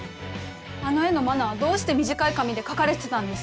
あの絵の真菜はどうして短い髪で描かれてたんです？